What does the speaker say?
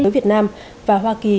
đối với việt nam và hoa kỳ